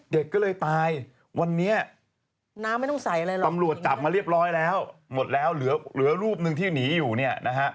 เด็กก็เลยตายวันนี้ตำรวจจับมาเรียบร้อยแล้วหมดแล้วเหลือรูปหนึ่งที่หนีอยู่เนี่ย